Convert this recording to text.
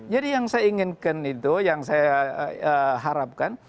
jadi yang saya inginkan itu yang saya harapkan